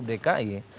persoalan wakil dki